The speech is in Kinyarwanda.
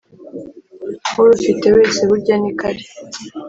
Urufite wese burya niko ari